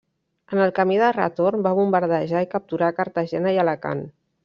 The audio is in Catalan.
En el camí de retorn, va bombardejar i capturar Cartagena i Alacant.